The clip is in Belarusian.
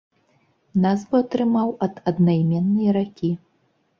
Назву атрымаў ад аднайменнай ракі.